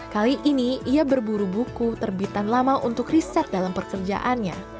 kali ini ia berburu buku terbitan lama untuk riset dalam pekerjaannya